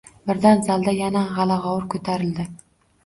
Birdan zalda yana g`ala-g`ovur ko`tarildi